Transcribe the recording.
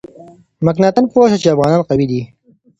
مکناتن پوه شو چې افغانان قوي دي.